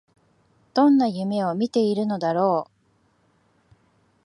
どんな夢を見ているのだろう